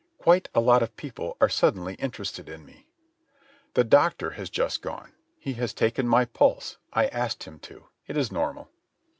Quite a lot of people are suddenly interested in me. ... The doctor has just gone. He has taken my pulse. I asked him to. It is normal.